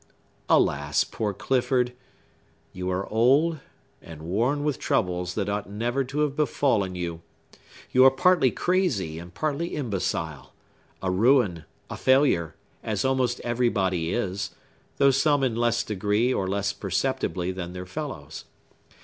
Alas, poor Clifford! You are old, and worn with troubles that ought never to have befallen you. You are partly crazy and partly imbecile; a ruin, a failure, as almost everybody is,—though some in less degree, or less perceptibly, than their fellows.